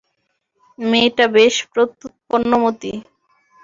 মেয়েটা বেশ প্রত্যুৎপন্নমতি।